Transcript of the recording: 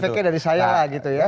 efeknya dari saya lah gitu ya